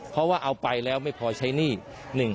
เพราะว่าเอาไปแล้วไม่พอใช้หนี้